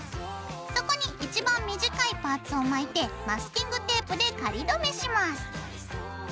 そこにいちばん短いパーツを巻いてマスキングテープで仮どめします。